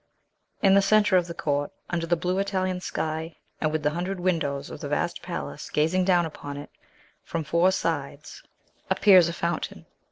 In the centre of the court, under the blue Italian sky, and with the hundred windows of the vast palace gazing down upon it from four sides, appears a fountain.